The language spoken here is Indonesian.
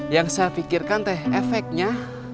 yang saya pikirkan teh efeknya